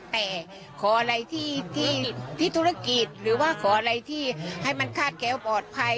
แต่ขออะไรที่ธุรกิจหรือว่าขออะไรที่ให้มันคาดแค้วปลอดภัย